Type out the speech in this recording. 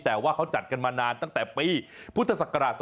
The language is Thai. แต่ว่าเขาจัดกันมานานตั้งแต่ปีพุทธศักราช๒๕๖